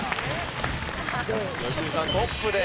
良純さんトップです。